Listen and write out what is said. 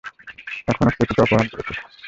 এখন ও শ্রুতিকে অপহরণ করেছে।